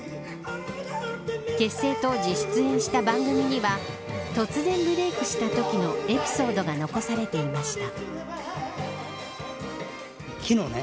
結成当時、出演した番組には突然ブレークしたときのエピソードが残されていました。